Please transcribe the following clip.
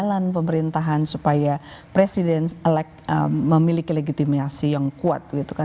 memuluskan jalan pemerintahan supaya presiden memiliki legitimasi yang kuat